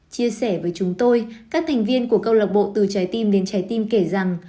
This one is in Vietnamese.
chia sẻ với chúng tôi các thành viên của câu lạc bộ từ trái tim đến trái tim kể rằng